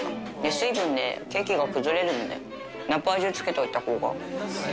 水分でケーキが崩れるので、ナパージュつけといたほうが。